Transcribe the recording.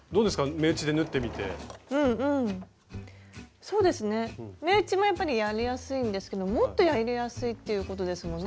目打ちもやっぱりやりやすいんですけどもっとやりやすいっていうことですもんね